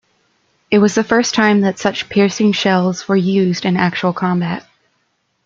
It was the first time that such piercing shells were used in actual combat.